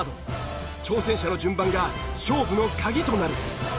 挑戦者の順番が勝負の鍵となる。